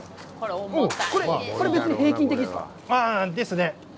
これ、別に平均的ですか？ですね。